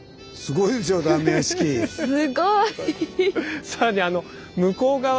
すごい！